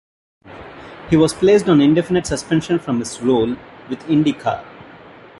He was placed on indefinite suspension from his role with IndyCar.